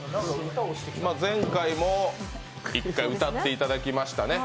前回も一回、歌っていただきましたね。